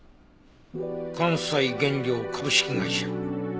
「関西原料株式会社」